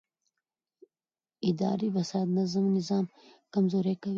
اداري فساد نظام کمزوری کوي